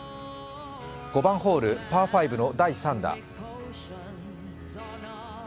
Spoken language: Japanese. ５番ホール、パー５の第３打。